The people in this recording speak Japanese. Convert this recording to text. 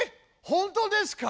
本当ですか？